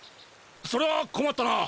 それはこまったな。